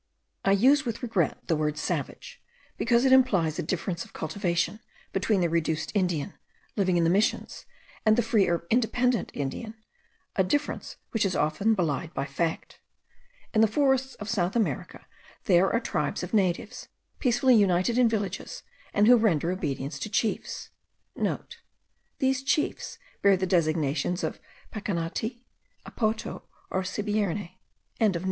I use with regret the word savage, because it implies a difference of cultivation between the reduced Indian, living in the Missions, and the free or independent Indian; a difference which is often belied by fact. In the forests of South America there are tribes of natives, peacefully united in villages, and who render obedience to chiefs.* (* These chiefs bear the designations of Pecannati, Apoto, or Sibierne.)